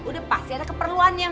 udah pasti ada keperluannya